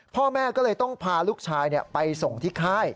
พ่อแม่ก็เลยต้องพาลูกชายไปส่งที่ค่าย